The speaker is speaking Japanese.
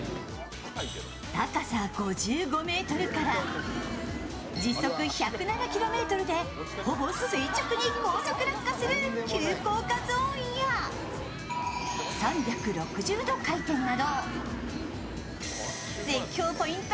高さ５５ｍから時速１０７キロでほぼ垂直に高速落下する急降下ゾーンや３６０度回転など絶叫ポイント